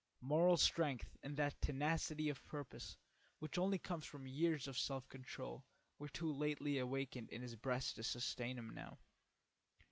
Moral strength and that tenacity of purpose which only comes from years of self control were too lately awakened in his breast to sustain him now.